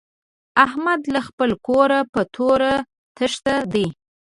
احمد له خپله کوره په توره تېښته دی.